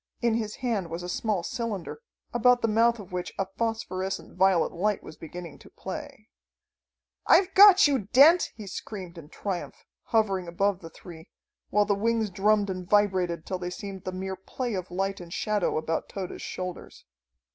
In his hand was a small cylinder, about the mouth of which a phosphorescent violet light was beginning to play. "I've got you, Dent," he screamed in triumph, hovering above the three, while the wings drummed and vibrated till they seemed the mere play of light and shadow about Tode's shoulders.